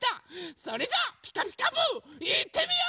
それじゃあ「ピカピカブ！」いってみよう！